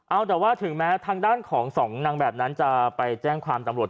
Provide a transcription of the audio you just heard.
เอาแต่ว่าถึงแม้ทางด้านของสองนางแบบนั้นจะไปแจ้งความตำรวจ